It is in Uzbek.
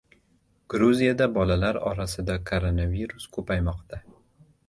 Gruziyada bolalar orasida koronavirus ko‘paymoqda